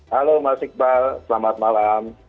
halo mas iqbal selamat malam